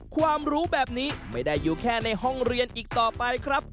ความรู้แบบนี้ไม่ได้อยู่แค่ในห้องเรียนอีกต่อไปครับ